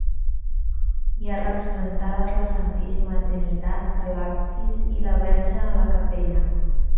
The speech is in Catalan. Hi ha representades la Santíssima Trinitat, a l'absis, i la Verge a la capella.